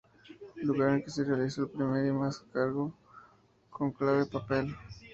Lugar en el que se realizó el primer y más largo cónclave papal.